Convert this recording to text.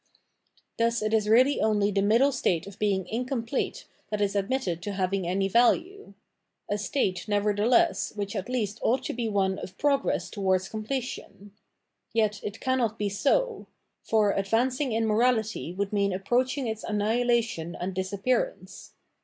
Thus it is really only the middle state of being incom plete that is admitted to have any value : a state never theless which at least ought to be one of progress to wards completion. Yet it cannot be so ; for advancing in morality would mean approaching its annihilation and disappearance.